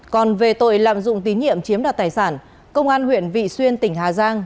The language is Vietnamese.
còn về tội lạm dụng tín nhiệm chiếm đoạt tài sản công an huyện vị xuyên tỉnh hà giang